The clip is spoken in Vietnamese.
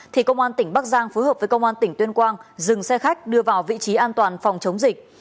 thì công an tỉnh bắc giang phối hợp với công an tỉnh tuyên quang dừng xe khách đưa vào vị trí an toàn phòng chống dịch